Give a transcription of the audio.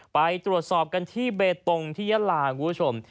ไปตรวจสอบกันที่เบตงที่ยาลาคุณผู้ชม